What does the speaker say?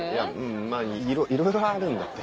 まぁいろいろあるんだって。